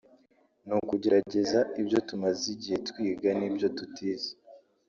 ni ukugerageza ibyo tumaze igihe twiga n’ ibyo tutize